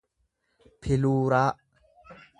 piluuraa